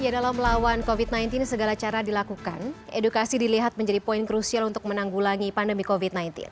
dalam melawan covid sembilan belas segala cara dilakukan edukasi dilihat menjadi poin krusial untuk menanggulangi pandemi covid sembilan belas